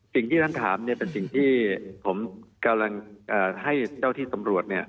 สิ่งที่ท่านถามเนี่ยเป็นสิ่งที่ผมกำลังให้เจ้าที่ตำรวจเนี่ย